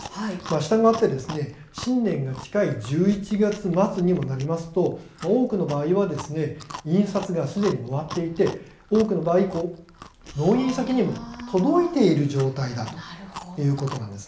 したがって新年が近い１１月末にもなりますと多くの場合は印刷がすでに終わっていて多くの場合、納品先にも届いている状態だということなんです。